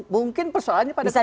mungkin persoalannya pada komunikasi